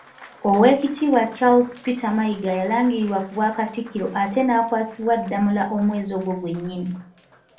Oweekitiibwa Charles Peter Mayiga yalangirirwa ku Bwakatikkiro ate n'akwasibwa Ddamula omwezi ogwo gwennyini.